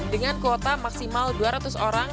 dengan kuota maksimal dua ratus orang